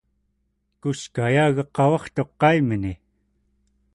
kuskayagaq qavartuq qaimni